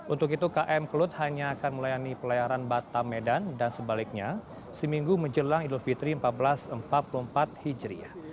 untuk itu km kelut hanya akan melayani pelayaran batam medan dan sebaliknya seminggu menjelang idul fitri seribu empat ratus empat puluh empat hijriah